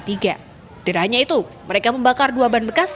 terakhirnya itu mereka membakar dua ban bekas